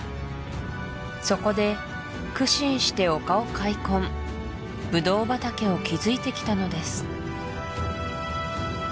そこで苦心して丘を開墾ブドウ畑を築いてきたのです